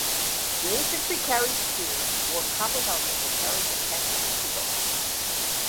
The infantry carried spears, wore copper helmets, and carried rectangular shields.